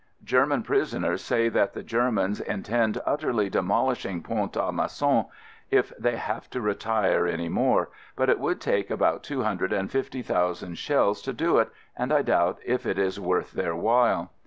German prisoners say that the Germans intend utterly demol ishing Pont a Mousson if they have to retire any more, but it would take about two hundred and fifty thousand shells to do it and I doubt if it is worth their while.